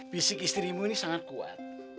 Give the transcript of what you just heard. fisik istrimu ini sangat kuat